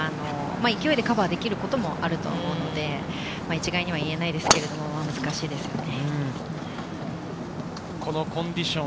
なかなか勢いでカバーできることもあると思うので、一概にはいないですけど、難しいですよね。